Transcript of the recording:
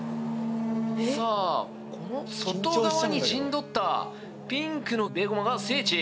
さあこの外側に陣取ったピンクのベーゴマがせいち。